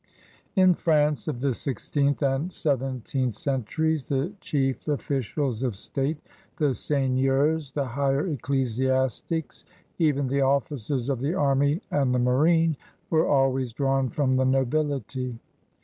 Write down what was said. In France of the sixteenth and seventeenth 204 CRUSADERS OF NEW FRANCE centuries the chief officials of state» the seigneurs^ the higher ecclesiastics, even the officer's of the army and the marine, were always drawn from the nobility.